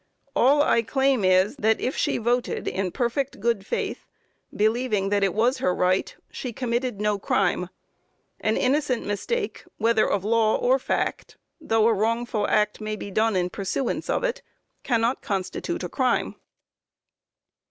All I claim is, that if she voted in perfect good faith, believing that it was her right, she has committed no crime. An innocent mistake, whether of law or fact, though a wrongful act may be done in pursuance of it, cannot constitute a crime.